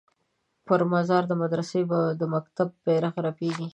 پر مزار د مدرسې به د مکتب بیرغ رپیږي